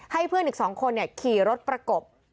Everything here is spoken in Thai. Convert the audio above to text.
เพื่อนอีก๒คนขี่รถประกบ